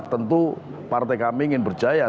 tentu partai kami ingin berjaya